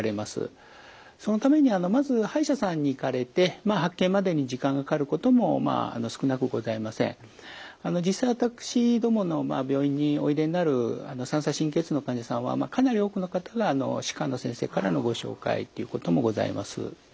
そのために実際私どもの病院においでになる三叉神経痛の患者さんはかなり多くの方が歯科の先生からのご紹介ということもございます。